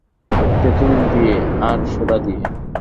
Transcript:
তেঁতুল দিয়ে আর সোডা দিয়ে।